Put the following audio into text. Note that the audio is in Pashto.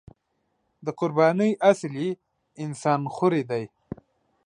د قربانۍ اصل یې انسان خوري دی.